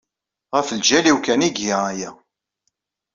Ɣef ljal-iw kan ay iga aya.